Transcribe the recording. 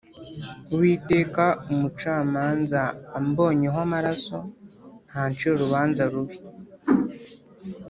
Uwiteka umucamanza ambonyeho amaraso ntancira urubanza rubi